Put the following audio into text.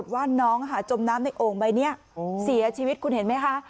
ว่าน้องจมน้ำในโอ่งใบนี้เสียชีวิตคุณเห็นไหมคะ